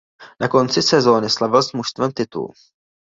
Na konci sezóny slavil s mužstvem titul.